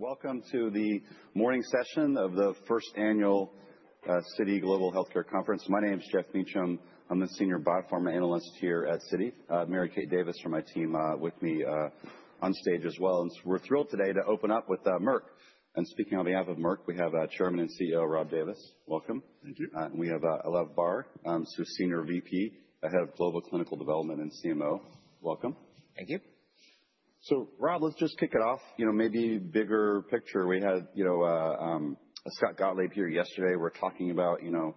Welcome to the morning session of the first annual Citi Global Healthcare Conference. My name is Geoff Meacham. I'm the Senior Biopharma Analyst here at Citi. Mary Kate Davis from my team with me on stage as well. And we're thrilled today to open up with Merck. And speaking on behalf of Merck, we have Chairman and CEO Rob Davis. Welcome. Thank you. We have Eliav Barr, Senior VP and Head of Global Clinical Development and CMO. Welcome. Thank you. So, Rob, let's just kick it off, you know, maybe bigger picture. We had, you know, Scott Gottlieb here yesterday. We're talking about, you know,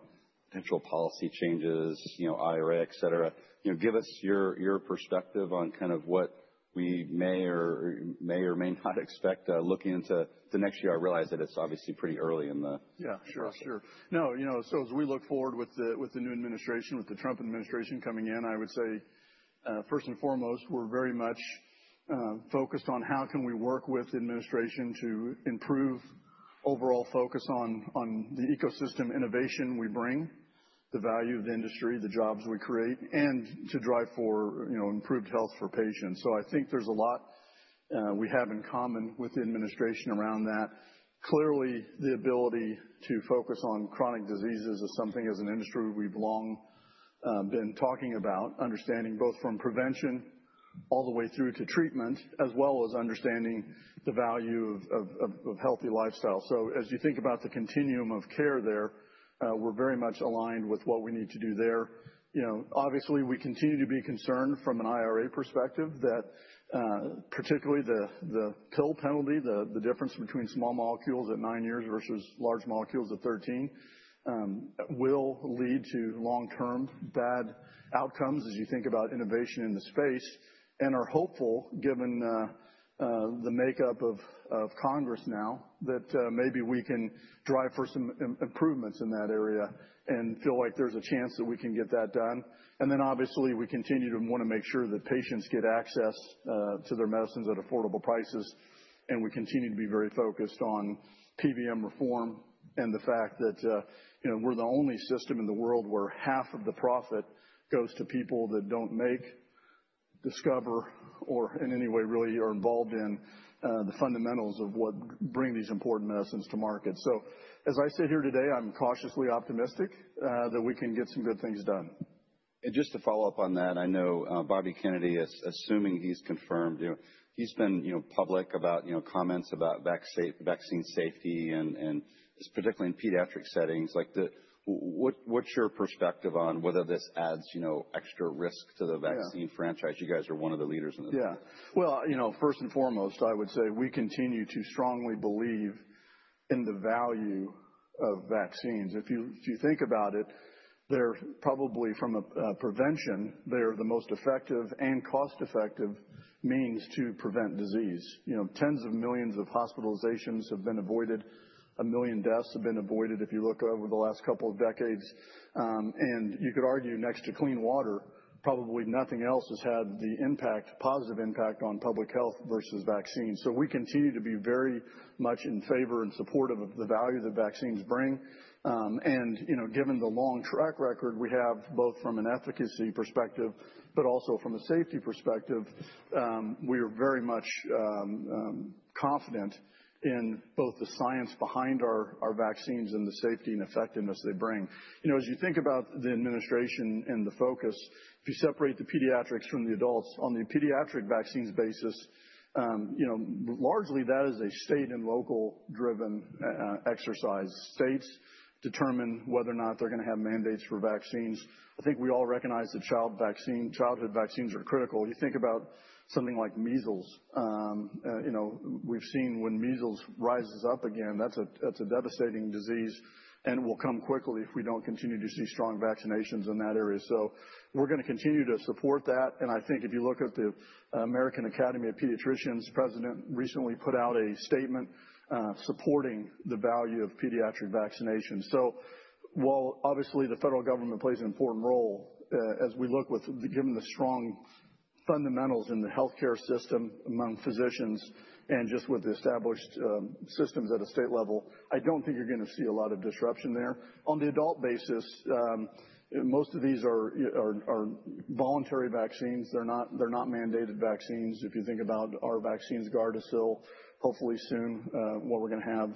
potential policy changes, you know, IRA, et cetera. You know, give us your perspective on kind of what we may or may not expect looking into next year. I realize that it's obviously pretty early in the. Yeah, sure, sure. No, you know, so as we look forward with the new administration, with the Trump administration coming in, I would say, first and foremost, we're very much focused on how can we work with the administration to improve overall focus on the ecosystem innovation we bring, the value of the industry, the jobs we create, and to drive for, you know, improved health for patients. So I think there's a lot we have in common with the administration around that. Clearly, the ability to focus on chronic diseases is something, as an industry, we've long been talking about, understanding both from prevention all the way through to treatment, as well as understanding the value of a healthy lifestyle. So as you think about the continuum of care there, we're very much aligned with what we need to do there. You know, obviously, we continue to be concerned from an IRA perspective that particularly the pill penalty, the difference between small molecules at nine years versus large molecules at 13, will lead to long-term bad outcomes as you think about innovation in the space. And we're hopeful, given the makeup of Congress now, that maybe we can drive for some improvements in that area and feel like there's a chance that we can get that done. And then, obviously, we continue to want to make sure that patients get access to their medicines at affordable prices. And we continue to be very focused on PBM reform and the fact that, you know, we're the only system in the world where half of the profit goes to people that don't make, discover, or in any way really are involved in the fundamentals of what brings these important medicines to market. So, as I sit here today, I'm cautiously optimistic that we can get some good things done. Just to follow up on that, I know Bobby Kennedy, assuming he's confirmed, you know, he's been, you know, public about, you know, comments about vaccine safety and particularly in pediatric settings. Like, what's your perspective on whether this adds, you know, extra risk to the vaccine franchise? You guys are one of the leaders in this. Yeah. Well, you know, first and foremost, I would say we continue to strongly believe in the value of vaccines. If you think about it, they're probably from a prevention, they're the most effective and cost-effective means to prevent disease. You know, tens of millions of hospitalizations have been avoided, a million deaths have been avoided if you look over the last couple of decades. And you could argue next to clean water, probably nothing else has had the impact, positive impact on public health versus vaccines. So we continue to be very much in favor and supportive of the value that vaccines bring. And, you know, given the long track record we have both from an efficacy perspective, but also from a safety perspective, we are very much confident in both the science behind our vaccines and the safety and effectiveness they bring. You know, as you think about the administration and the focus, if you separate the pediatrics from the adults on the pediatric vaccines basis, you know, largely that is a state and local-driven exercise. States determine whether or not they're going to have mandates for vaccines. I think we all recognize that childhood vaccines are critical. You think about something like measles. You know, we've seen when measles rises up again, that's a devastating disease. And it will come quickly if we don't continue to see strong vaccinations in that area. So we're going to continue to support that. And I think if you look at the American Academy of Pediatrics, the president recently put out a statement supporting the value of pediatric vaccinations. While obviously the federal government plays an important role as we look with, given the strong fundamentals in the healthcare system among physicians and just with the established systems at a state level, I don't think you're going to see a lot of disruption there. On the adult basis, most of these are voluntary vaccines. They're not mandated vaccines. If you think about our vaccines, Gardasil, hopefully soon what we're going to have,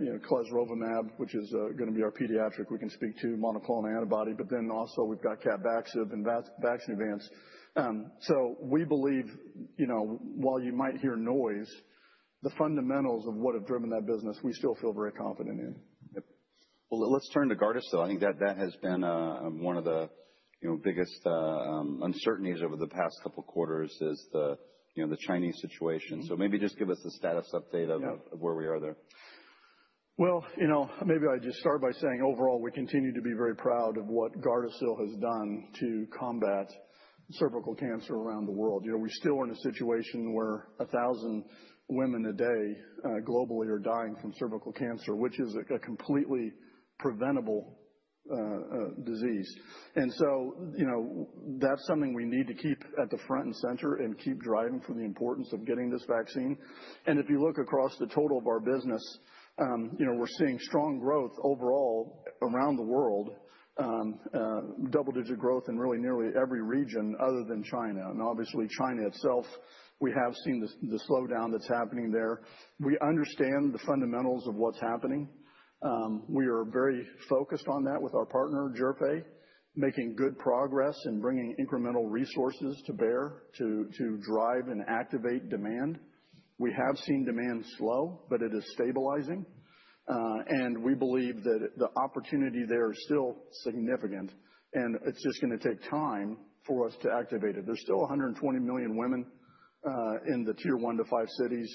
you know, clesrovimab, which is going to be our pediatric, we can speak to monoclonal antibody. But then also we've got Capvaxive and Vaxneuvance. So we believe, you know, while you might hear noise, the fundamentals of what have driven that business, we still feel very confident in. Let's turn to Gardasil. I think that that has been one of the, you know, biggest uncertainties over the past couple of quarters is the, you know, the Chinese situation. Maybe just give us a status update of where we are there. You know, maybe I just start by saying overall, we continue to be very proud of what Gardasil has done to combat cervical cancer around the world. You know, we still are in a situation where a thousand women a day globally are dying from cervical cancer, which is a completely preventable disease. And so, you know, that's something we need to keep at the front and center and keep driving for the importance of getting this vaccine. And if you look across the total of our business, you know, we're seeing strong growth overall around the world, double-digit growth in really nearly every region other than China. And obviously, China itself, we have seen the slowdown that's happening there. We understand the fundamentals of what's happening. We are very focused on that with our partner, Zhifei, making good progress and bringing incremental resources to bear to drive and activate demand. We have seen demand slow, but it is stabilizing. We believe that the opportunity there is still significant. It's just going to take time for us to activate it. There's still 120 million women in the tier one to five cities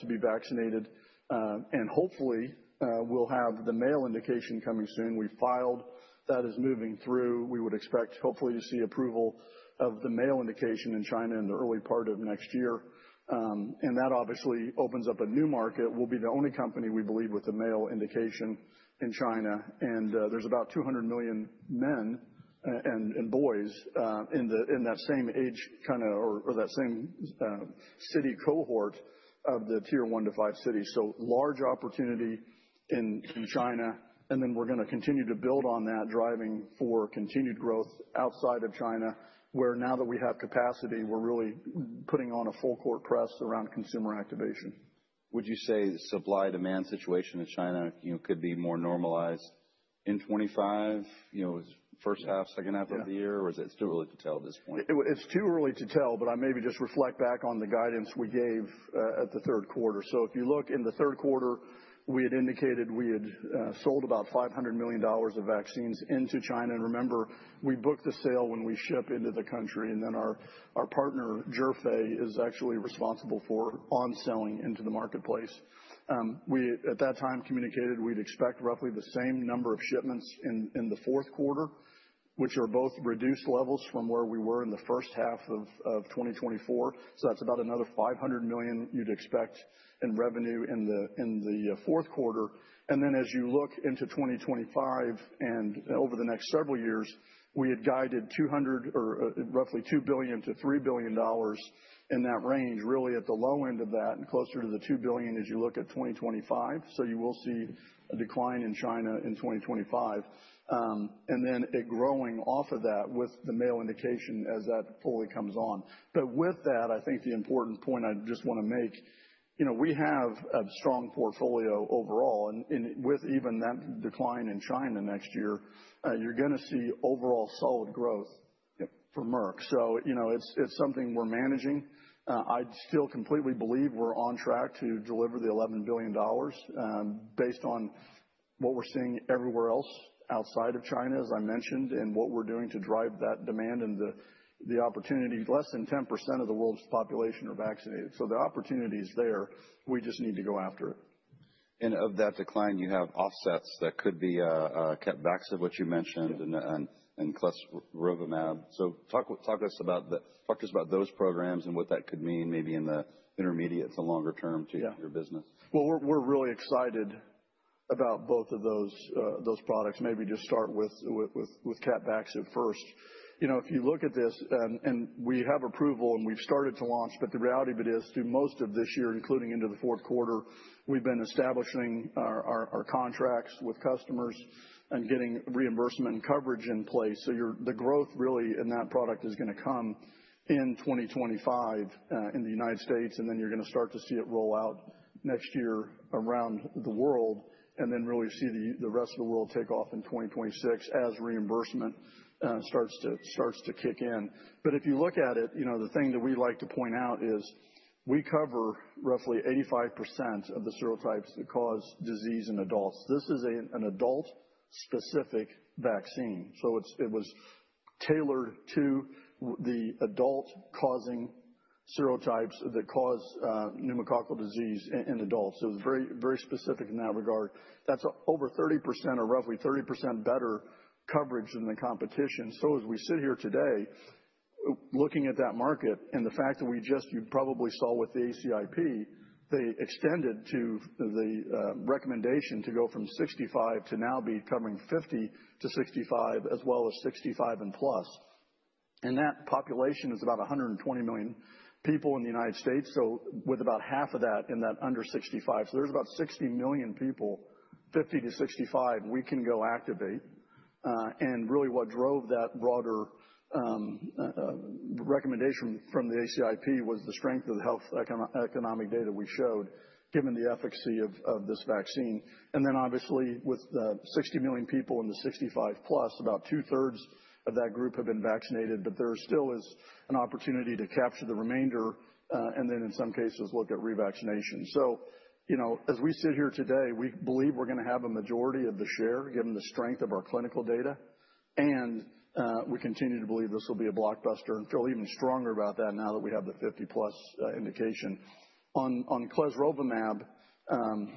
to be vaccinated. Hopefully, we'll have the male indication coming soon. We filed that. It's moving through. We would expect hopefully to see approval of the male indication in China in the early part of next year. That obviously opens up a new market. We'll be the only company, we believe, with a male indication in China. There's about 200 million men and boys in that same age kind of, or that same city cohort of the tier one to five cities. Large opportunity in China. We're going to continue to build on that, driving for continued growth outside of China, where now that we have capacity, we're really putting on a full court press around consumer activation. Would you say the supply-demand situation in China, you know, could be more normalized in 2025, you know, first half, second half of the year? Or is it still early to tell at this point? It's too early to tell, but I maybe just reflect back on the guidance we gave at the third quarter. So if you look in the third quarter, we had indicated we had sold about $500 million of vaccines into China. And remember, we book the sale when we ship into the country. And then our partner, Zhifei, is actually responsible for onselling into the marketplace. We, at that time, communicated we'd expect roughly the same number of shipments in the fourth quarter, which are both reduced levels from where we were in the first half of 2024. So that's about another $500 million you'd expect in revenue in the fourth quarter. And then as you look into 2025 and over the next several years, we had guided $200 or roughly $2 billion-$3 billion in that range, really at the low end of that and closer to the $2 billion as you look at 2025. So you will see a decline in China in 2025. And then a growing off of that with the male indication as that fully comes on. But with that, I think the important point I just want to make, you know, we have a strong portfolio overall. And with even that decline in China next year, you are going to see overall solid growth for Merck. So, you know, it is something we are managing. I still completely believe we're on track to deliver the $11 billion based on what we're seeing everywhere else outside of China, as I mentioned, and what we're doing to drive that demand and the opportunity. Less than 10% of the world's population are vaccinated. So the opportunity is there. We just need to go after it. And of that decline, you have offsets that could be Capvaxive, which you mentioned, and clesrovimab. So talk us about those programs and what that could mean maybe in the intermediate to longer term to your business. We're really excited about both of those products. Maybe just start with Capvaxive first. You know, if you look at this, and we have approval and we've started to launch, but the reality of it is through most of this year, including into the fourth quarter, we've been establishing our contracts with customers and getting reimbursement and coverage in place. So the growth really in that product is going to come in 2025 in the United States. And then you're going to start to see it roll out next year around the world and then really see the rest of the world take off in 2026 as reimbursement starts to kick in. But if you look at it, you know, the thing that we like to point out is we cover roughly 85% of the serotypes that cause disease in adults. This is an adult-specific vaccine. So it was tailored to the adult-causing serotypes that cause pneumococcal disease in adults. It was very, very specific in that regard. That's over 30% or roughly 30% better coverage than the competition. So as we sit here today, looking at that market and the fact that we just, you probably saw with the ACIP, they extended to the recommendation to go from 65 to now be covering 50 to 65, as well as 65 and plus. And that population is about 120 million people in the United States. So with about half of that in that under 65, so there's about 60 million people, 50 to 65, we can go activate. And really what drove that broader recommendation from the ACIP was the strength of the health economic data we showed, given the efficacy of this vaccine. And then obviously with the 60 million people in the 65-plus, about two-thirds of that group have been vaccinated, but there still is an opportunity to capture the remainder and then in some cases look at revaccination. So, you know, as we sit here today, we believe we're going to have a majority of the share given the strength of our clinical data. And we continue to believe this will be a blockbuster. And feel even stronger about that now that we have the 50-plus indication. On clesrovimab,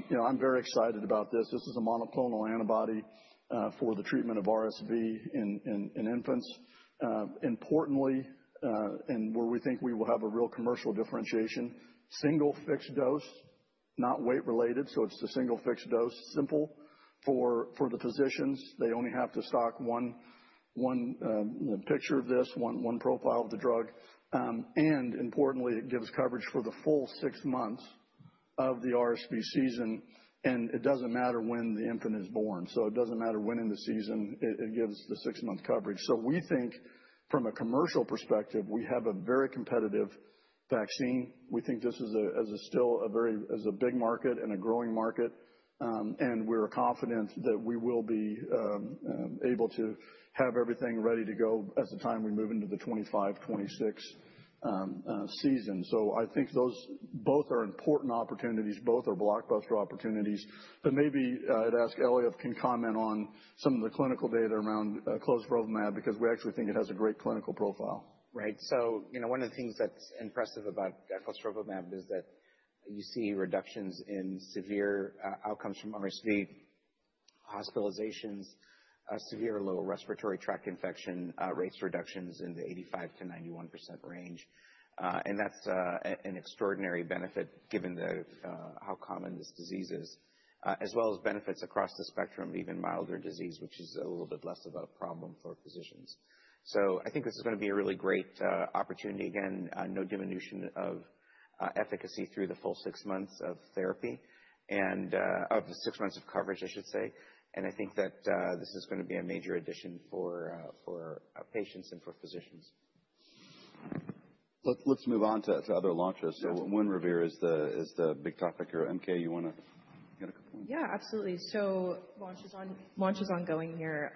you know, I'm very excited about this. This is a monoclonal antibody for the treatment of RSV in infants. Importantly, and where we think we will have a real commercial differentiation, single fixed dose, not weight-related. So it's the single fixed dose, simple for the physicians. They only have to stock one vial of this, one profile of the drug. Importantly, it gives coverage for the full six months of the RSV season. It doesn't matter when the infant is born. It doesn't matter when in the season, it gives the six-month coverage. We think from a commercial perspective, we have a very competitive vaccine. We think this is still a very, as a big market and a growing market. We're confident that we will be able to have everything ready to go at the time we move into the 2025, 2026 season. I think those both are important opportunities, both are blockbuster opportunities. Maybe I'd ask Eliav if he can comment on some of the clinical data around clesrovimab because we actually think it has a great clinical profile. Right. So, you know, one of the things that's impressive about clesrovimab is that you see reductions in severe outcomes from RSV, hospitalizations, severe low respiratory tract infection rates, reductions in the 85%-91% range, and that's an extraordinary benefit given how common this disease is, as well as benefits across the spectrum of even milder disease, which is a little bit less of a problem for physicians, so I think this is going to be a really great opportunity again, no diminution of efficacy through the full six months of therapy and of six months of coverage, I should say, and I think that this is going to be a major addition for patients and for physicians. Let's move on to other launches. So Winrevair is the big topic here. MK, you want to get a couple of. Yeah, absolutely, so launch is ongoing here.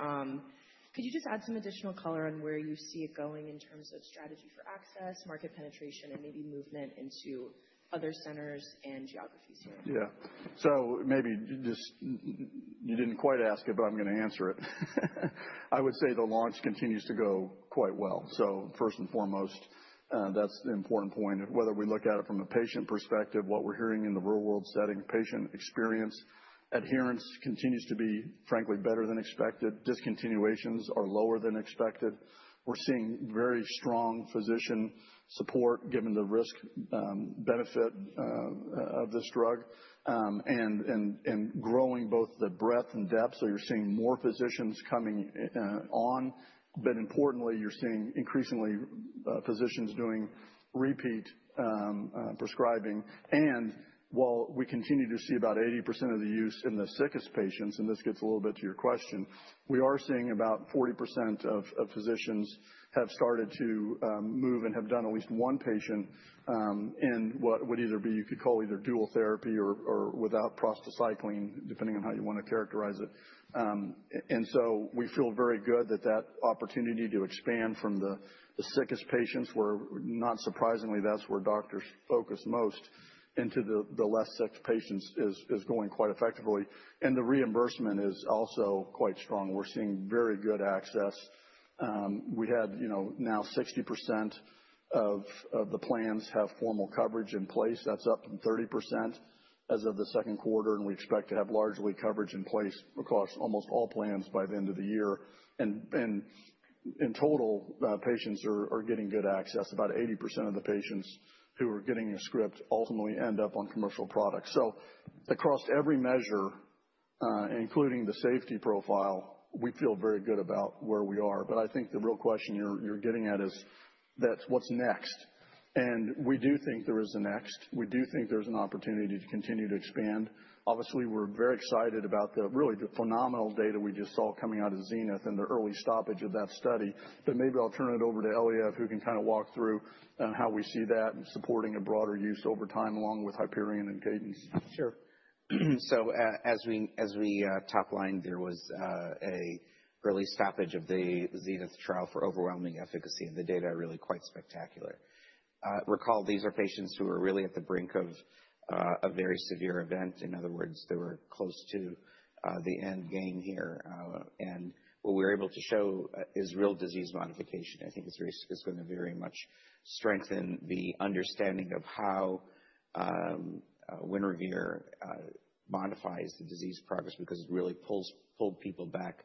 Could you just add some additional color on where you see it going in terms of strategy for access, market penetration, and maybe movement into other centers and geographies here? Yeah. So maybe just you didn't quite ask it, but I'm going to answer it. I would say the launch continues to go quite well. So first and foremost, that's the important point of whether we look at it from a patient perspective, what we're hearing in the real-world setting, patient experience, adherence continues to be, frankly, better than expected. Discontinuations are lower than expected. We're seeing very strong physician support given the risk benefit of this drug and growing both the breadth and depth. So you're seeing more physicians coming on. But importantly, you're seeing increasingly physicians doing repeat prescribing. And while we continue to see about 80% of the use in the sickest patients, and this gets a little bit to your question, we are seeing about 40% of physicians have started to move and have done at least one patient in what would either be, you could call either dual therapy or without prostacyclin, depending on how you want to characterize it. And so we feel very good that that opportunity to expand from the sickest patients, where not surprisingly that's where doctors focus most into the less sick patients, is going quite effectively. And the reimbursement is also quite strong. We're seeing very good access. We had, you know, now 60% of the plans have formal coverage in place. That's up 30% as of the second quarter. And we expect to have largely coverage in place across almost all plans by the end of the year. And in total, patients are getting good access. About 80% of the patients who are getting a script ultimately end up on commercial products. So across every measure, including the safety profile, we feel very good about where we are. But I think the real question you're getting at is that what's next? And we do think there is a next. We do think there's an opportunity to continue to expand. Obviously, we're very excited about the really phenomenal data we just saw coming out of ZENITH and the early stoppage of that study. But maybe I'll turn it over to Eliav, who can kind of walk through how we see that and supporting a broader use over time along with Hyperion and Cadence. Sure. So as we toplined, there was an early stoppage of the ZENITH trial for overwhelming efficacy. And the data are really quite spectacular. Recall, these are patients who are really at the brink of a very severe event. In other words, they were close to the end game here. And what we were able to show is real disease modification. I think it's going to very much strengthen the understanding of how Winrevair modifies the disease progress, because it really pulled people back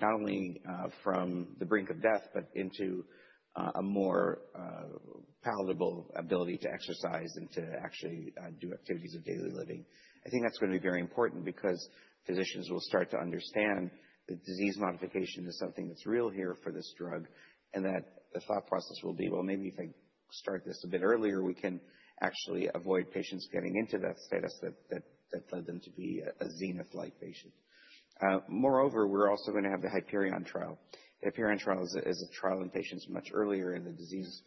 not only from the brink of death, but into a more palatable ability to exercise and to actually do activities of daily living. I think that's going to be very important because physicians will start to understand that disease modification is something that's real here for this drug and that the thought process will be, well, maybe if I start this a bit earlier, we can actually avoid patients getting into that status that led them to be a ZENITH-like patient. Moreover, we're also going to have the Hyperion trial. The Hyperion trial is a trial in patients much earlier in the disease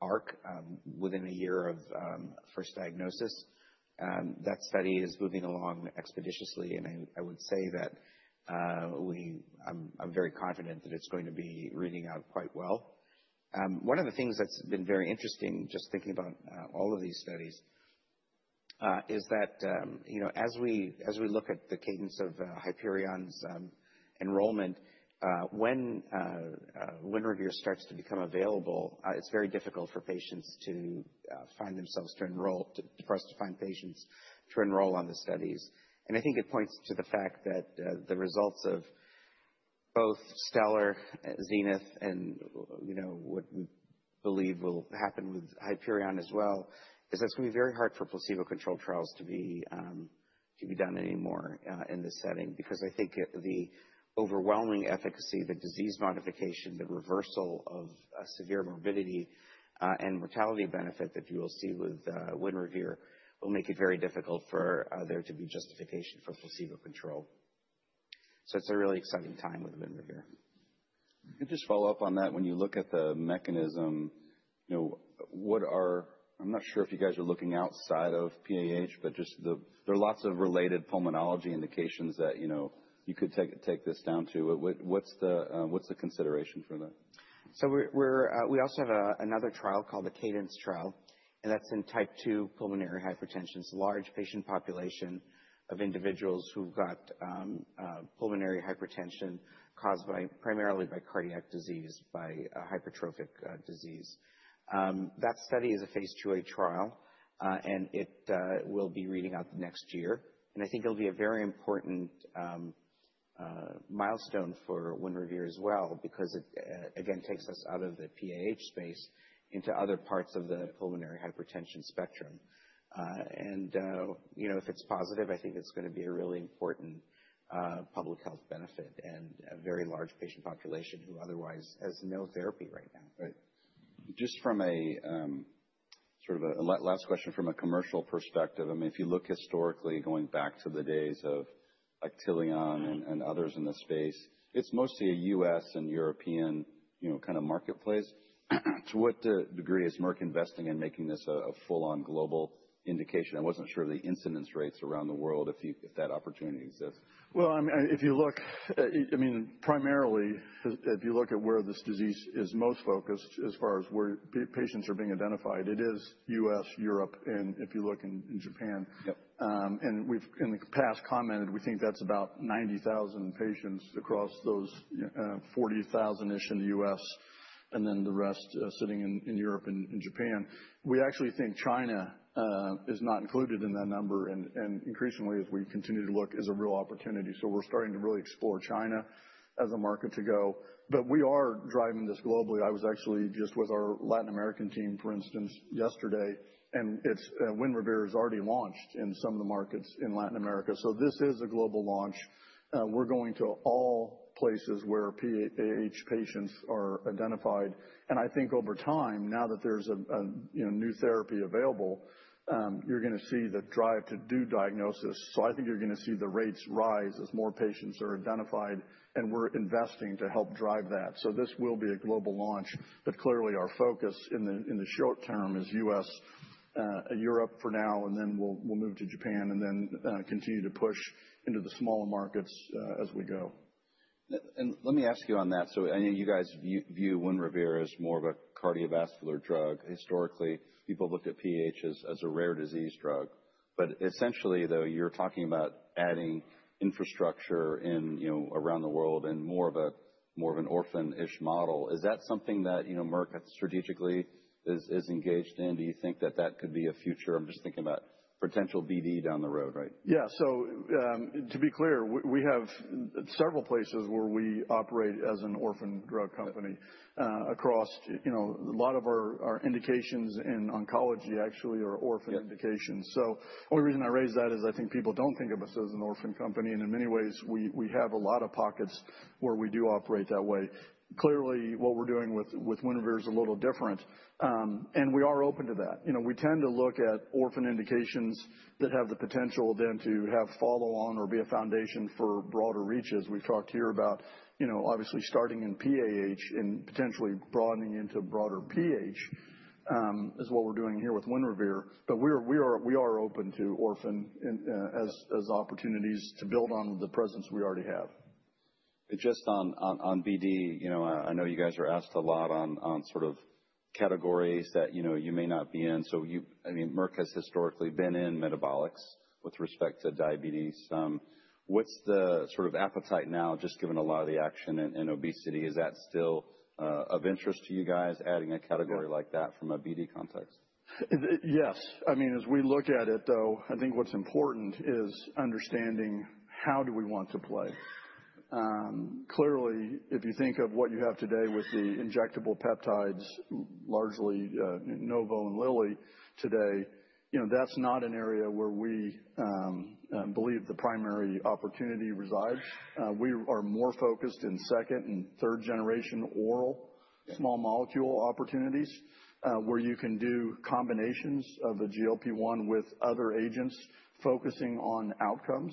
arc within a year of first diagnosis. That study is moving along expeditiously, and I would say that I'm very confident that it's going to be reading out quite well. One of the things that's been very interesting, just thinking about all of these studies, is that, you know, as we look at the cadence of Hyperion's enrollment, when Winrevair starts to become available, it's very difficult for patients to find themselves to enroll, for us to find patients to enroll on the studies. And I think it points to the fact that the results of both Stellar, ZENITH, and, you know, what we believe will happen with Hyperion as well is that's going to be very hard for placebo-controlled trials to be done anymore in this setting because I think the overwhelming efficacy, the disease modification, the reversal of severe morbidity and mortality benefit that you will see with Winrevair will make it very difficult for there to be justification for placebo control. So it's a really exciting time with Winrevair. Just follow up on that. When you look at the mechanism, you know, what are, I'm not sure if you guys are looking outside of PAH, but just there are lots of related pulmonology indications that, you know, you could take this down to. What's the consideration for that? So we also have another trial called the Cadence trial. And that's in type 2 pulmonary hypertension. It's a large patient population of individuals who've got pulmonary hypertension caused primarily by cardiac disease, by hypertrophic disease. That study is a phase II trial. And it will be reading out the next year. And I think it'll be a very important milestone for Winrevair as well because it, again, takes us out of the PAH space into other parts of the pulmonary hypertension spectrum. And, you know, if it's positive, I think it's going to be a really important public health benefit and a very large patient population who otherwise has no therapy right now. Right. Just from a sort of a last question from a commercial perspective, I mean, if you look historically going back to the days of Actelion and others in the space, it's mostly a U.S. and European, you know, kind of marketplace. To what degree is Merck investing in making this a full-on global indication? I wasn't sure of the incidence rates around the world if that opportunity exists. I mean, if you look, I mean, primarily if you look at where this disease is most focused as far as where patients are being identified, it is U.S., Europe, and if you look in Japan, and we've in the past commented, we think that's about 90,000 patients across those 40,000-ish in the U.S. and then the rest sitting in Europe and Japan. We actually think China is not included in that number, and increasingly, as we continue to look, is a real opportunity, so we're starting to really explore China as a market to go, but we are driving this globally. I was actually just with our Latin American team, for instance, yesterday, and Winrevair has already launched in some of the markets in Latin America, so this is a global launch. We're going to all places where PAH patients are identified. I think over time, now that there's a new therapy available, you're going to see the drive to do diagnosis. So I think you're going to see the rates rise as more patients are identified. And we're investing to help drive that. So this will be a global launch. But clearly, our focus in the short term is U.S., Europe for now, and then we'll move to Japan and then continue to push into the smaller markets as we go. And let me ask you on that. So I know you guys view Winrevair as more of a cardiovascular drug. Historically, people have looked at PAH as a rare disease drug. But essentially, though, you're talking about adding infrastructure in, you know, around the world and more of an orphan-ish model. Is that something that, you know, Merck strategically is engaged in? Do you think that that could be a future? I'm just thinking about potential BD down the road, right? Yeah. So to be clear, we have several places where we operate as an orphan drug company across, you know, a lot of our indications in oncology actually are orphan indications. So the only reason I raise that is I think people don't think of us as an orphan company. And in many ways, we have a lot of pockets where we do operate that way. Clearly, what we're doing with Winrevair is a little different. And we are open to that. You know, we tend to look at orphan indications that have the potential then to have follow-on or be a foundation for broader reaches. We've talked here about, you know, obviously starting in PAH and potentially broadening into broader PAH is what we're doing here with Winrevair. But we are open to orphan as opportunities to build on the presence we already have. Just on BD, you know, I know you guys are asked a lot on sort of categories that, you know, you may not be in. So I mean, Merck has historically been in metabolics with respect to diabetes. What's the sort of appetite now, just given a lot of the action and obesity? Is that still of interest to you guys, adding a category like that from a BD context? Yes. I mean, as we look at it, though, I think what's important is understanding how do we want to play. Clearly, if you think of what you have today with the injectable peptides, largely Novo and Lilly today, you know, that's not an area where we believe the primary opportunity resides. We are more focused in second and third generation oral small molecule opportunities where you can do combinations of a GLP-1 with other agents focusing on outcomes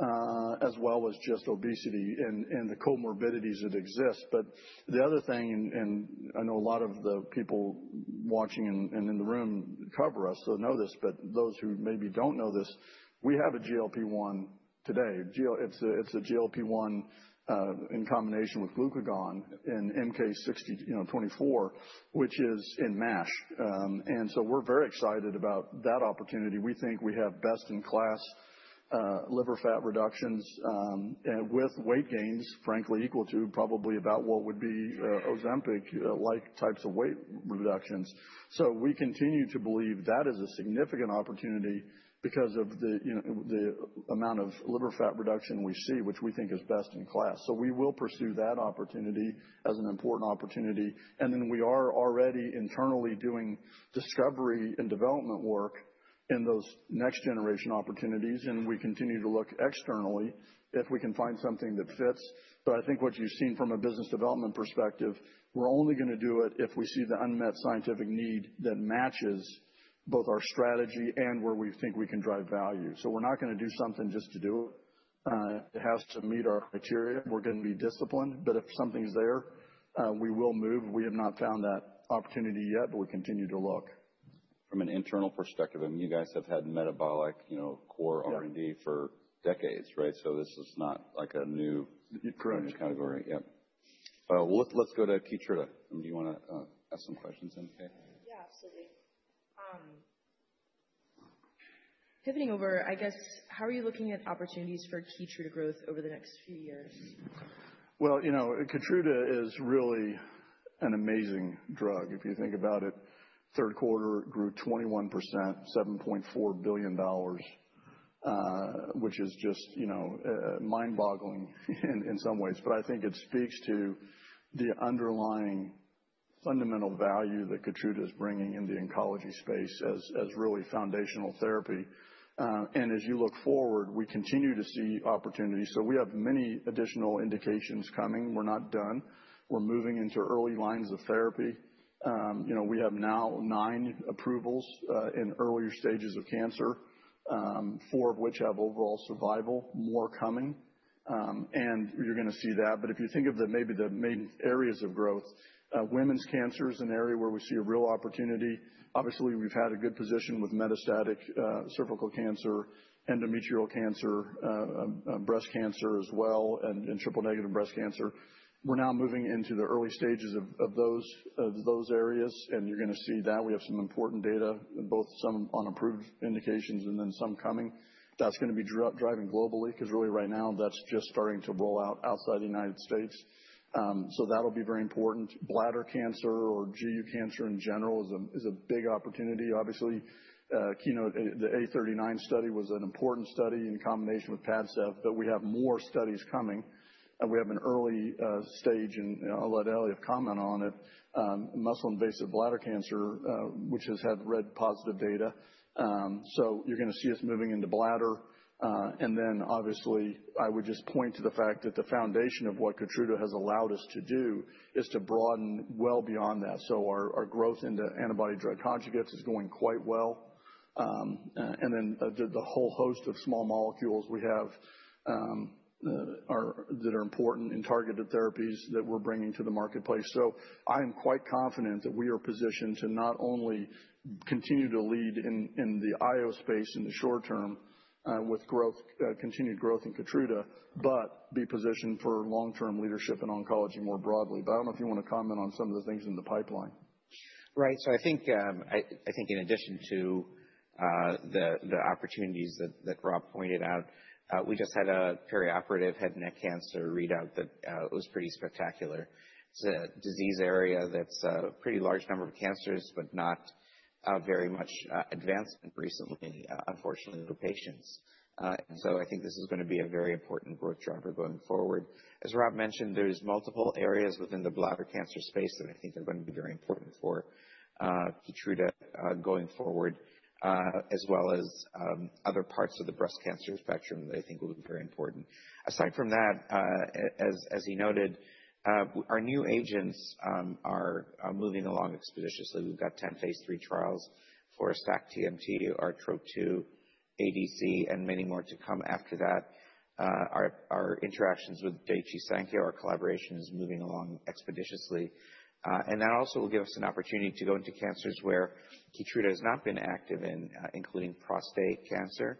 as well as just obesity and the comorbidities that exist. But the other thing, and I know a lot of the people watching and in the room cover us, so know this, but those who maybe don't know this, we have a GLP-1 today. It's a GLP-1 in combination with glucagon in MK-6024, you know, which is in MASH. And so we're very excited about that opportunity. We think we have best in class liver fat reductions with weight gains, frankly, equal to probably about what would be Ozempic-like types of weight reductions, so we continue to believe that is a significant opportunity because of the amount of liver fat reduction we see, which we think is best in class. We will pursue that opportunity as an important opportunity, and then we are already internally doing discovery and development work in those next generation opportunities. We continue to look externally if we can find something that fits, but I think what you've seen from a business development perspective, we're only going to do it if we see the unmet scientific need that matches both our strategy and where we think we can drive value. We're not going to do something just to do it. It has to meet our criteria. We're going to be disciplined. But if something's there, we will move. We have not found that opportunity yet, but we continue to look. From an internal perspective, I mean, you guys have had metabolic, you know, core R&D for decades, right? So this is not like a new category. Correct. Yep. Well, let's go to Keytruda. I mean, do you want to ask some questions in K? Yeah, absolutely. Pivoting over, I guess, how are you looking at opportunities for Keytruda growth over the next few years? You know, Keytruda is really an amazing drug. If you think about it, third quarter grew 21%, $7.4 billion, which is just, you know, mind-boggling in some ways. But I think it speaks to the underlying fundamental value that Keytruda is bringing in the oncology space as really foundational therapy. And as you look forward, we continue to see opportunities. So we have many additional indications coming. We're not done. We're moving into early lines of therapy. You know, we have now nine approvals in earlier stages of cancer, four of which have overall survival, more coming. And you're going to see that. But if you think of maybe the main areas of growth, women's cancer is an area where we see a real opportunity. Obviously, we've had a good position with metastatic cervical cancer, endometrial cancer, breast cancer as well, and triple negative breast cancer. We're now moving into the early stages of those areas, and you're going to see that. We have some important data, both some on approved indications and then some coming. That's going to be driving globally because really right now that's just starting to roll out outside the United States, so that'll be very important. Bladder cancer or GU cancer in general is a big opportunity. Obviously, KEYNOTE, the A39 study was an important study in combination with Padcev, but we have more studies coming. We have an early stage, and I'll let Eliav comment on it, muscle-invasive bladder cancer, which has had really positive data, so you're going to see us moving into bladder, and then obviously, I would just point to the fact that the foundation of what KEYTRUDA has allowed us to do is to broaden well beyond that. Our growth into antibody-drug conjugates is going quite well. And then the whole host of small molecules we have that are important in targeted therapies that we're bringing to the marketplace. So I am quite confident that we are positioned to not only continue to lead in the IO space in the short term with growth, continued growth in Keytruda, but be positioned for long-term leadership in oncology more broadly. But I don't know if you want to comment on some of the things in the pipeline. Right. So I think, I think in addition to the opportunities that Rob pointed out, we just had a perioperative head and neck cancer readout that was pretty spectacular. It's a disease area that's a pretty large number of cancers, but not very much advancement recently, unfortunately, for patients. And so I think this is going to be a very important growth driver going forward. As Rob mentioned, there's multiple areas within the bladder cancer space that I think are going to be very important for Keytruda going forward, as well as other parts of the breast cancer spectrum that I think will be very important. Aside from that, as he noted, our new agents are moving along expeditiously. We've got 10 phase III trials for sac-TMT, our TROP2, ADC, and many more to come after that. Our interactions with Daiichi Sankyo, our collaboration is moving along expeditiously. And that also will give us an opportunity to go into cancers where Keytruda has not been active in, including prostate cancer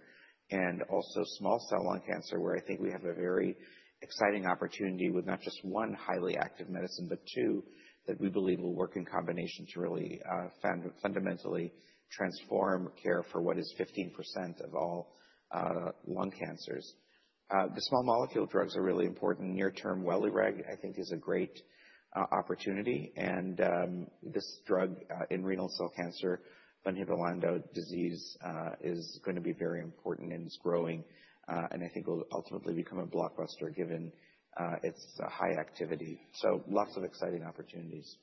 and also small cell lung cancer, where I think we have a very exciting opportunity with not just one highly active medicine, but two that we believe will work in combination to really fundamentally transform care for what is 15% of all lung cancers. The small molecule drugs are really important. Near-term Welireg, I think, is a great opportunity. And this drug in renal cell cancer, von Hippel-Lindau disease, is going to be very important and is growing. And I think it will ultimately become a blockbuster given its high activity. So lots of exciting opportunities.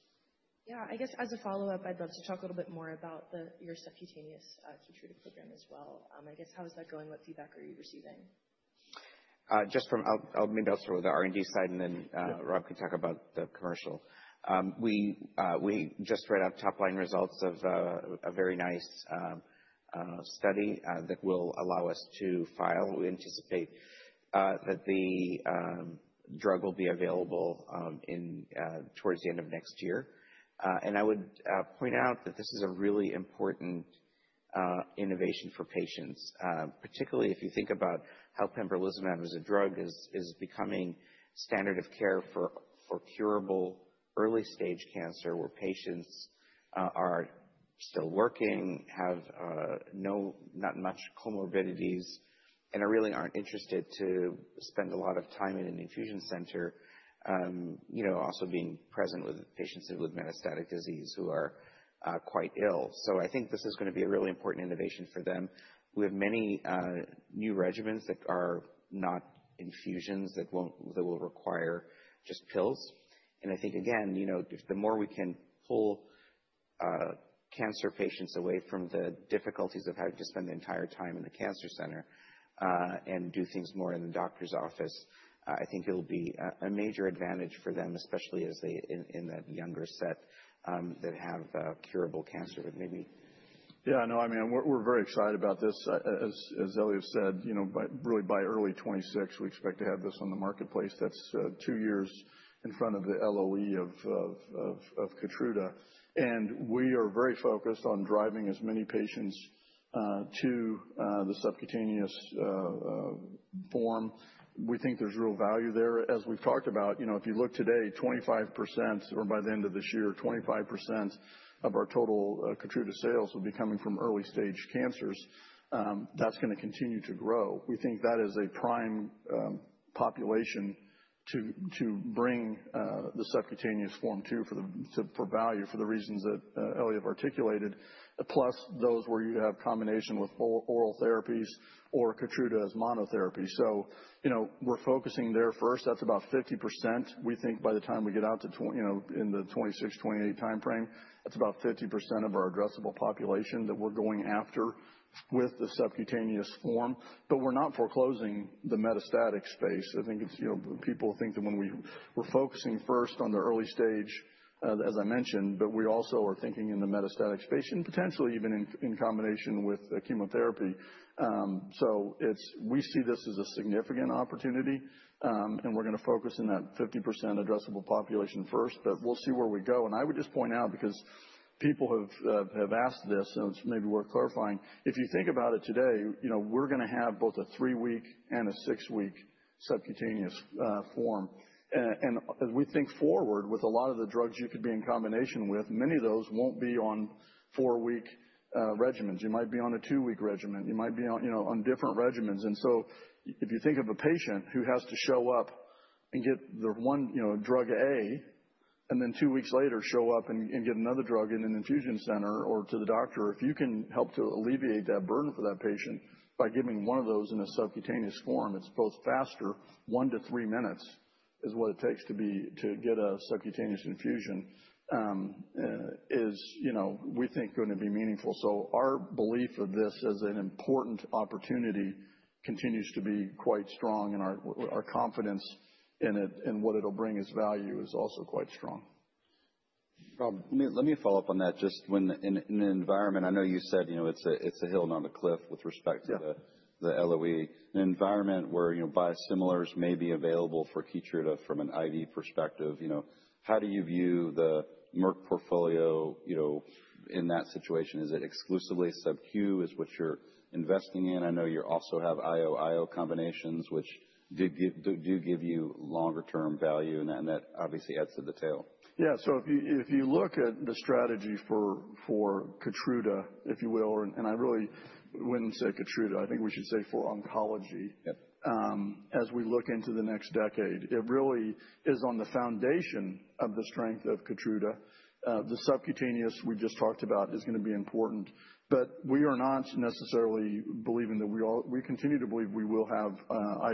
Yeah, I guess as a follow-up, I'd love to talk a little bit more about your subcutaneous Keytruda program as well. I guess how is that going? What feedback are you receiving? Just from, I'll maybe start with the R&D side and then Rob can talk about the commercial. We just read out top-line results of a very nice study that will allow us to file. We anticipate that the drug will be available towards the end of next year. And I would point out that this is a really important innovation for patients, particularly if you think about how pembrolizumab as a drug is becoming standard of care for curable early-stage cancer where patients are still working, have not much comorbidities, and really aren't interested to spend a lot of time in an infusion center, you know, also being present with patients with metastatic disease who are quite ill. So I think this is going to be a really important innovation for them. We have many new regimens that are not infusions that will require just pills. I think, again, you know, the more we can pull cancer patients away from the difficulties of having to spend the entire time in the cancer center and do things more in the doctor's office, I think it'll be a major advantage for them, especially as they in that younger set that have curable cancer with maybe. Yeah, no, I mean, we're very excited about this. As Ellie has said, you know, really by early 2026, we expect to have this on the marketplace. That's two years in front of the LOE of Keytruda. And we are very focused on driving as many patients to the subcutaneous form. We think there's real value there. As we've talked about, you know, if you look today, 25% or by the end of this year, 25% of our total Keytruda sales will be coming from early-stage cancers. That's going to continue to grow. We think that is a prime population to bring the subcutaneous form to for value for the reasons that Ellie have articulated, plus those where you have combination with oral therapies or Keytruda as monotherapy. So, you know, we're focusing there first. That's about 50%. We think by the time we get out to, you know, in the 2026, 2028 timeframe, that's about 50% of our addressable population that we're going after with the subcutaneous form. But we're not foreclosing the metastatic space. I think it's, you know, people think that when we were focusing first on the early stage, as I mentioned, but we also are thinking in the metastatic space and potentially even in combination with chemotherapy. So we see this as a significant opportunity. And we're going to focus in that 50% addressable population first, but we'll see where we go. And I would just point out because people have asked this, and it's maybe worth clarifying, if you think about it today, you know, we're going to have both a three-week and a six-week subcutaneous form. As we think forward with a lot of the drugs you could be in combination with, many of those won't be on four-week regimens. You might be on a two-week regimen. You might be on, you know, on different regimens. And so if you think of a patient who has to show up and get the one, you know, drug A, and then two weeks later show up and get another drug in an infusion center or to the doctor, if you can help to alleviate that burden for that patient by giving one of those in a subcutaneous form, it's both faster. One to three minutes is what it takes to get a subcutaneous infusion, you know, we think going to be meaningful. So our belief of this as an important opportunity continues to be quite strong. Our confidence in it and what it'll bring as value is also quite strong. Rob, let me follow up on that. Just when in an environment, I know you said, you know, it's a hill, not a cliff with respect to the LOE. In an environment where, you know, biosimilars may be available for Keytruda from an IV perspective, you know, how do you view the Merck portfolio, you know, in that situation? Is it exclusively subcu? Is what you're investing in? I know you also have IO-IO combinations, which do give you longer-term value, and that obviously adds to the tail. Yeah. So if you look at the strategy for Keytruda, if you will, and I really wouldn't say Keytruda, I think we should say for oncology, as we look into the next decade, it really is on the foundation of the strength of Keytruda. The subcutaneous we just talked about is going to be important. But we are not necessarily believing that we continue to believe we will have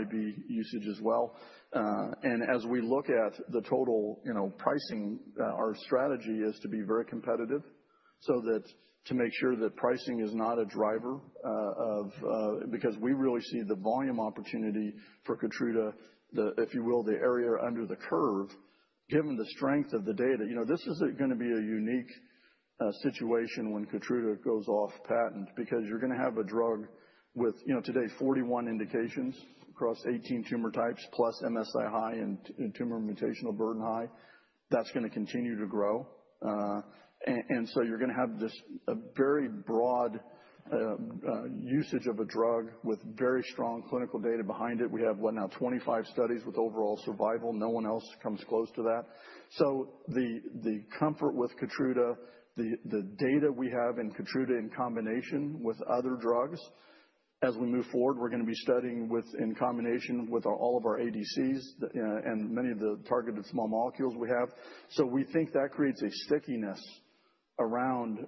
IV usage as well. As we look at the total, you know, pricing, our strategy is to be very competitive so that to make sure that pricing is not a driver of, because we really see the volume opportunity for Keytruda, if you will, the area under the curve, given the strength of the data, you know, this is going to be a unique situation when Keytruda goes off patent because you're going to have a drug with, you know, today 41 indications across 18 tumor types plus MSI high and tumor mutational burden high. That's going to continue to grow. So you're going to have just a very broad usage of a drug with very strong clinical data behind it. We have what now 25 studies with overall survival. No one else comes close to that. The comfort with Keytruda, the data we have in Keytruda in combination with other drugs, as we move forward, we're going to be studying it in combination with all of our ADCs and many of the targeted small molecules we have. We think that creates a stickiness around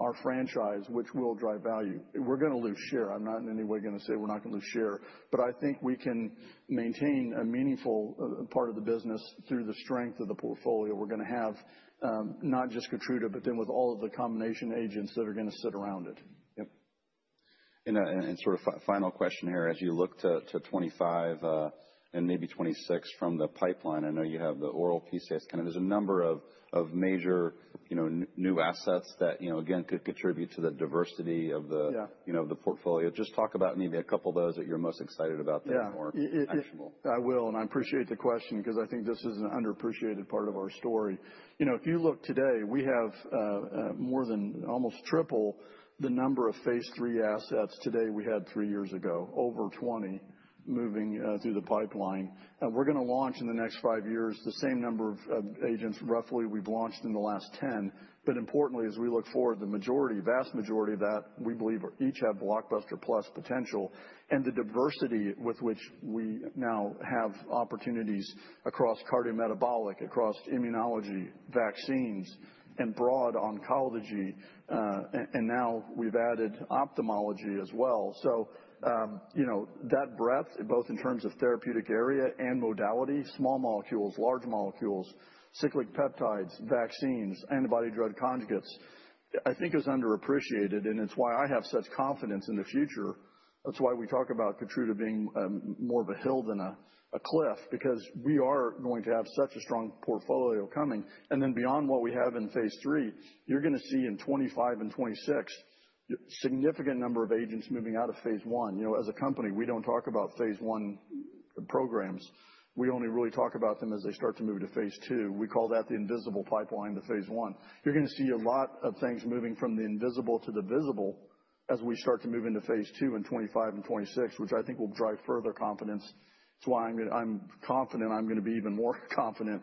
our franchise, which will drive value. We're going to lose share. I'm not in any way going to say we're not going to lose share. I think we can maintain a meaningful part of the business through the strength of the portfolio. We're going to have not just Keytruda, but then with all of the combination agents that are going to sit around it. Sort of final question here, as you look to 2025 and maybe 2026 from the pipeline, I know you have the oral piece that's kind of, there's a number of major, you know, new assets that, you know, again, could contribute to the diversity of the, you know, the portfolio. Just talk about maybe a couple of those that you're most excited about that are more actionable. I will. And I appreciate the question because I think this is an underappreciated part of our story. You know, if you look today, we have more than almost triple the number of phase III assets today we had three years ago, over 20 moving through the pipeline. And we're going to launch in the next five years the same number of agents roughly we've launched in the last 10. But importantly, as we look forward, the majority, vast majority of that, we believe each have blockbuster plus potential. And the diversity with which we now have opportunities across cardiometabolic, across immunology, vaccines, and broad oncology. And now we've added ophthalmology as well. So, you know, that breadth, both in terms of therapeutic area and modality, small molecules, large molecules, cyclic peptides, vaccines, antibody-drug conjugates, I think is underappreciated. And it's why I have such confidence in the future. That's why we talk about Keytruda being more of a hill than a cliff, because we are going to have such a strong portfolio coming, and then beyond what we have in phase III, you're going to see in 2025 and 2026, a significant number of agents moving out of phase I. You know, as a company, we don't talk about phase I programs. We only really talk about them as they start to move to phase II. We call that the invisible pipeline to phase I. You're going to see a lot of things moving from the invisible to the visible as we start to move into phase II in 2025 and 2026, which I think will drive further confidence. It's why I'm confident I'm going to be even more confident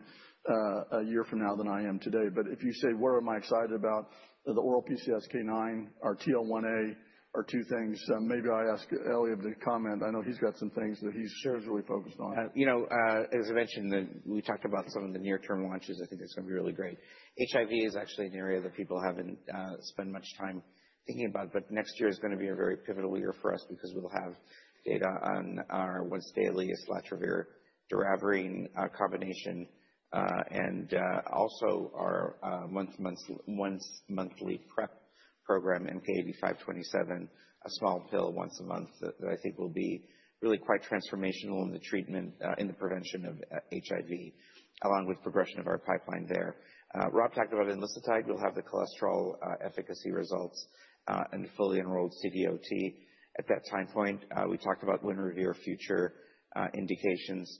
a year from now than I am today, but if you say, what am I excited about? The oral PCSK9, our TL1A, our two things. Maybe I ask Eliav to comment. I know he's got some things that he's really focused on. You know, as I mentioned, we talked about some of the near-term launches. I think it's going to be really great. HIV is actually an area that people haven't spent much time thinking about. But next year is going to be a very pivotal year for us because we'll have data on our once daily slate, islatravir, doravirine combination. And also our once monthly PrEP program, MK-8527, a small pill once a month that I think will be really quite transformational in the treatment, in the prevention of HIV, along with progression of our pipeline there. Rob talked about islatravir. We'll have the cholesterol efficacy results and fully enrolled CVOT at that time point. We talked about Winrevair future indications.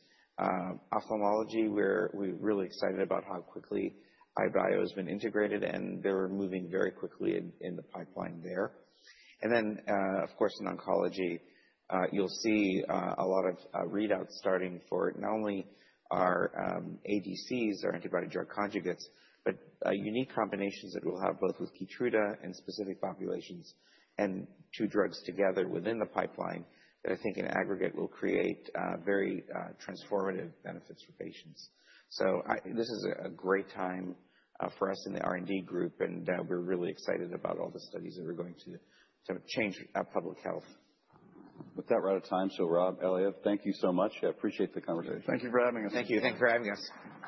Ophthalmology, we're really excited about how quickly EyeBio has been integrated and they're moving very quickly in the pipeline there. And then, of course, in oncology, you'll see a lot of readouts starting for not only our ADCs, our antibody drug conjugates, but unique combinations that we'll have both with Keytruda and specific populations and two drugs together within the pipeline that I think in aggregate will create very transformative benefits for patients. So this is a great time for us in the R&D group. And we're really excited about all the studies that are going to change public health. With that, we're out of time. So, Rob, Eliav, thank you so much. I appreciate the conversation. Thank you for having us. Thank you. Thanks for having us.